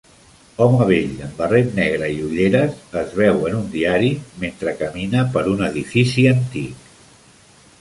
Home vell amb barret negre i ulleres es veu en un diari mentre camina per un edifici antic